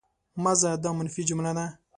مه ځه! دا منفي جمله ده.